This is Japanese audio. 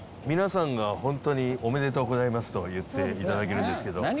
皆さんがホントに「おめでとうございます」と言っていただけるんですけど。